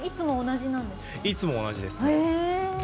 いつも同じです。